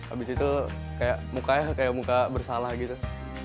abis itu kayak mukanya kayak muka bersalah gitu